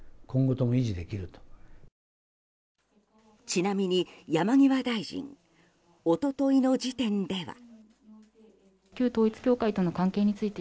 ちなみに山際大臣一昨日の時点では。